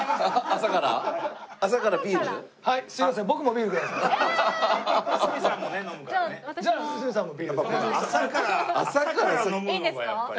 朝から飲むのがやっぱり。